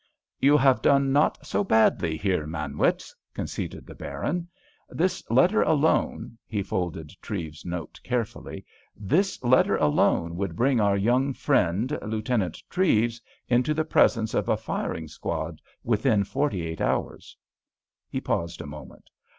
"You have done not so badly here, Manwitz," conceded the Baron. "This letter alone"—he folded Treves's note carefully—"this letter alone would bring our young friend, Lieutenant Treves, into the presence of a firing party within forty eight hours." He paused a moment.